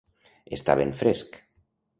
Estar ben fresc.